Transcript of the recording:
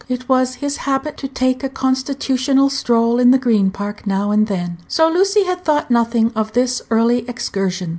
It was his habit to take a constitutional stroll in the Green Park now and then, so Lucy had thought nothing of this early excursion.